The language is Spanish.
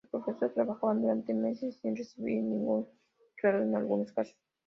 Los profesores trabajaban durante meses sin recibir ningún sueldo en algunos casos.